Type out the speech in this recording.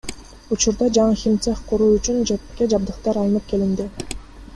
Учурда жаңы химцех куруу үчүн ЖЭБге жабдыктар алынып келинди.